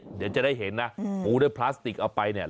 เดี๋ยวจะได้เห็นนะปูด้วยพลาสติกเอาไปเนี่ย